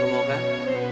lo mau kan